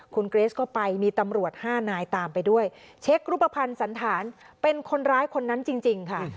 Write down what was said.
คุณเกรสก็ไปมีตำรวจห้านายตามไปด้วยเช็ครูปภัณฑ์สันฐานเป็นคนร้ายคนนั้นจริงค่ะ